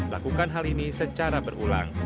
lakukan hal ini secara berulang